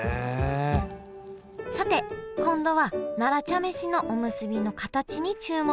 さて今度は奈良茶飯のおむすびの形に注目。